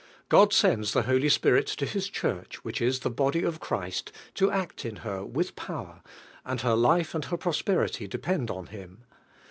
Clod sends the Holy Spirit lo His Church, which is the Body of Christ, to aot in her with power, and her life and her prosperity de pend on Him.